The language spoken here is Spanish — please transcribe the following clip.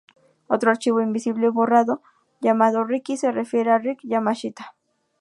Otro archivo invisible borrado llamado "RickY" se refiere a Rick Yamashita.